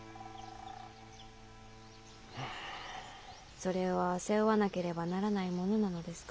それは背負わなければならないものなのですか？